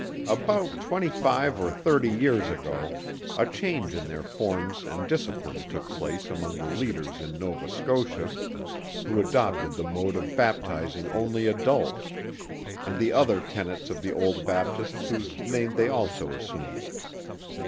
About 25 or 30 years ago, a change in their forms and discipline took place among the leaders in Nova Scotia, who adopted the mode of Baptizing only Adults, and the other tenets of the old Baptists whose name they also assumed.